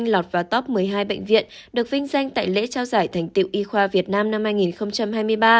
một lọt vào top một mươi hai bệnh viện được vinh danh tại lễ trao giải thành tiệu y khoa việt nam năm hai nghìn hai mươi ba